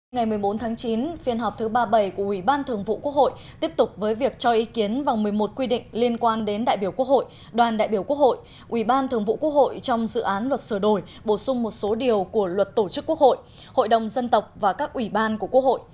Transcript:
ngày một mươi bốn tháng chín phiên họp thứ ba mươi bảy của ubthq tiếp tục với việc cho ý kiến vòng một mươi một quy định liên quan đến đại biểu quốc hội đoàn đại biểu quốc hội ubthq trong dự án luật sửa đổi bổ sung một số điều của luật tổ chức quốc hội hội đồng dân tộc và các ủy ban của quốc hội